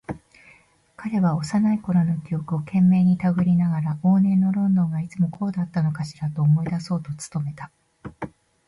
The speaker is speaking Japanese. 彼は幼いころの記憶を懸命にたぐりながら、往年のロンドンがいつもこうだったのかしらと思い出そうと努めた。